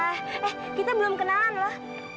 eh kita belum kenalan loh